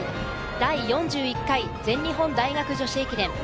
第４１回全日本大学女子駅伝。